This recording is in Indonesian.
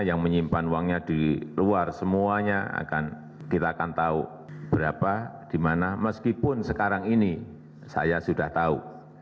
yang menyimpan uangnya di luar semuanya kita akan tahu berapa di mana meskipun sekarang ini saya sudah tahu